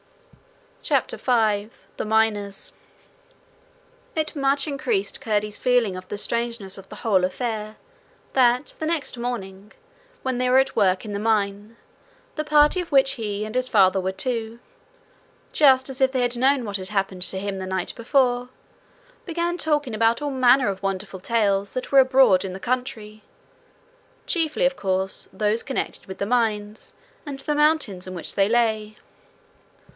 CHAPTER 5 The Miners It much increased Curdie's feeling of the strangeness of the whole affair, that, the next morning, when they were at work in the mine, the party of which he and his father were two, just as if they had known what had happened to him the night before, began talking about all manner of wonderful tales that were abroad in the country, chiefly, of course, those connected with the mines, and the mountains in which they lay.